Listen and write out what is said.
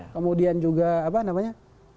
kemudian juga apa namanya